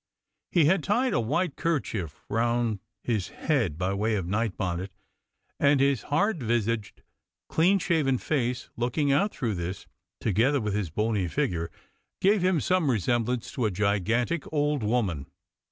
He had tied a white kerchief round his head by way of night bonnet, and his hard visaged, clean shaven face, looking out through this, together with his bony figure, gave him some resemblance to a gigantic old woman.